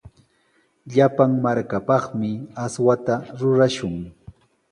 Llapan markapaqmi aswata rurashun.